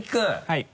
はい。